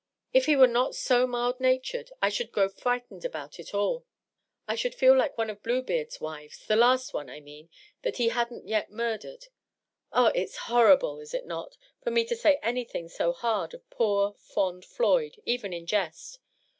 If he were not so mild natured I should grow frightened about it all ; I should feel like one of Bluebeard's wives — the last one, I mean, that he hadn't yet murdered. .. Ah, it's horrid, is it not, for me to say anything so hard of poor, fond Floyd, even in jest?